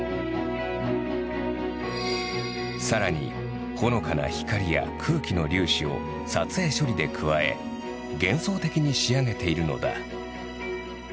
さらにほのかな光や空気の粒子を撮影処理で加え幻想的に仕上げているのだ。